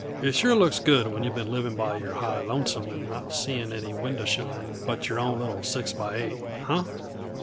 It sure looks good, when you've been living by your high lonesome and not seeing any window shine but your own little six by eight. Huh?"